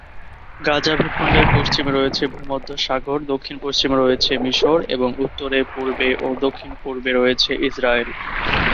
গাজা ভূখণ্ডের পশ্চিমে রয়েছে ভূমধ্যসাগর, দক্ষিণ-পশ্চিমে রয়েছে মিশর, এবং উত্তরে, পূর্বে, ও দক্ষিণ-পূর্বে রয়েছে ইসরায়েল।